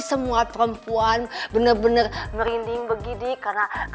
semua perempuan benar benar merinding begini karena karena air untuknya itu diam yaitu